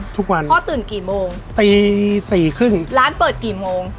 พ่อตื่นกี่โมงตีสี่ครึ่งร้านเปิดกี่โมง